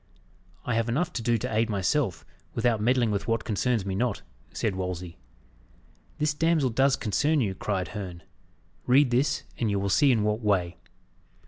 "I have enough to do to aid myself, without meddling with what concerns me not," said Wolsey. "This damsel does concern you," cried Herne. "Read this, and you will see in what way."